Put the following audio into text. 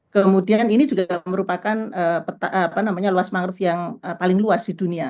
kemudian ini juga merupakan luas mangrove yang paling luas di dunia